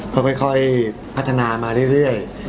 ก็ค่อยพัฒนามาเรื่อย